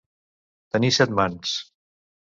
Tenir set mans.